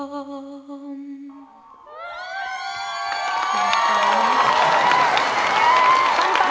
ขอบคุณมาก